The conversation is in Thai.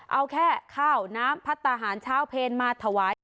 เอาแค่ข้าวน้ำพัฒนาหารเช้าเพลมาถวาย